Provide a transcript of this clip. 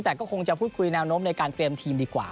แต่ก็คงจะพูดคุยแนวโน้มในการเตรียมทีมดีกว่า